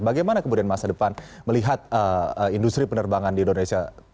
bagaimana kemudian masa depan melihat industri penerbangan di indonesia